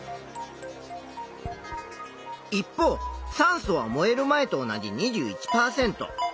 一方酸素は燃える前と同じ２１％。